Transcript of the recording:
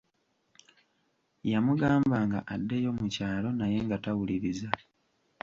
Yamugambanga addeyo mu kyalo naye nga tawuliriza.